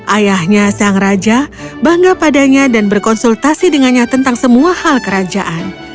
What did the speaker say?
ayahnya sang raja bangga padanya dan berkonsultasi dengannya tentang semua hal kerajaan